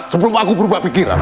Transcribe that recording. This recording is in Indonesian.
sebelum aku berubah pikiran